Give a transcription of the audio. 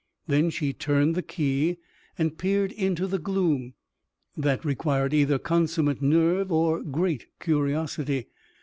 Then she turned the key and peered into the gloom. That required either consummate nerve or great curiosity.